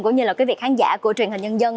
cũng như là quý vị khán giả của truyền hình nhân dân